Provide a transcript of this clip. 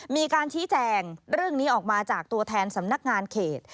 มีการชี้แจงเรื่องนี้ออกมาจากตัวแทนสำนักงานเขต